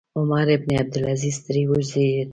عمر بن عبدالعزیز ترې وزېږېد.